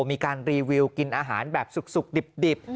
มีการรีวิวกินอาหารแบบสุกดิบ